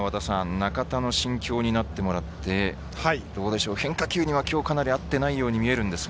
中田の心境になってもらって変化球にはきょう合っていないように見えるんですが。